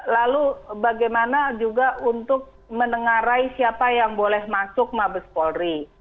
lalu bagaimana juga untuk menengarai siapa yang boleh masuk mabes polri